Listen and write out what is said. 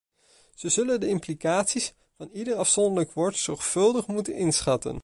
Ze zullen de implicaties van ieder afzonderlijk woord zorgvuldig moeten inschatten.